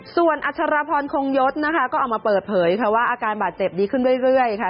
ส่วนอัชรพรคงยศนะคะก็ออกมาเปิดเผยค่ะว่าอาการบาดเจ็บดีขึ้นเรื่อยค่ะ